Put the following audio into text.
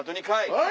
はい！